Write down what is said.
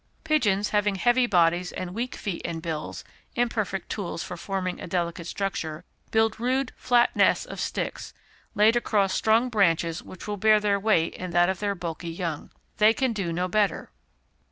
Pigeons having heavy bodies and weak feet and bills (imperfect tools for forming a delicate structure) build rude, flat nests of sticks, laid across strong branches which will bear their weight and that of their bulky young. They can do no better.